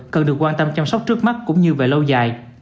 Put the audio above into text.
cần được quan tâm chăm sóc trước mắt cũng như về lâu dài